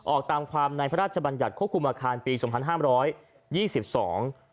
ออกตามความในพระราชบัญญัติควบคุมอาคารปีสองพันห้ามร้อยยี่สิบสอง